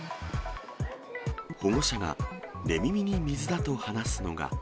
保護者が寝耳に水だと話すのが。